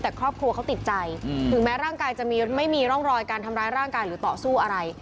แต่ครอบครัวเขาติดใจถึงแม้ร่างกายจะไม่มีร่องรอยการทำร้ายร่างกายหรือต่อสู้อะไร